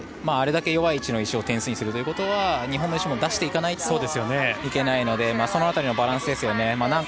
あれだけ弱い位置の石を点数にするということは日本の石も出していかないといけないのでその辺りのバランスですよね。